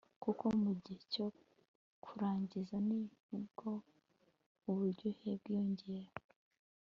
kuko mu gihe cyo kurangiza nibwo uburyohe bwiyongera